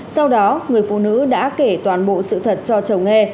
sau đó người phụ nữ đã kể toàn bộ sự thật cho chồng nghe